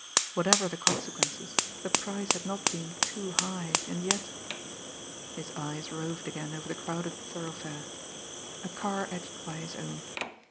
Whatever the consequences, the price had not been too high, and yet his eyes roved again over the crowded thoroughfare. A car edged by his own.